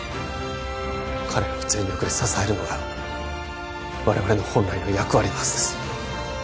彼らを全力で支えるのが我々の本来の役割のはずです